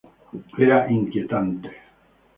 Era inquietante.